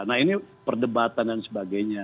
nah ini perdebatan dan sebagainya